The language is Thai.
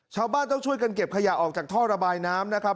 ชาวบ้านต้องช่วยกันเก็บขยะออกจากท่อระบายน้ำนะครับ